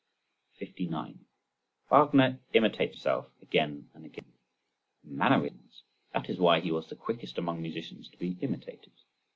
59. Wagner imitates himself again and again—mannerisms. That is why he was the quickest among musicians to be imitated.